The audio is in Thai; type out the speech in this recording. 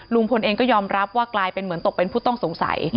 ลุงพลเองก็ยอมรับว่ากลายเป็นเหมือนตกเป็นผู้ต้องสงสัย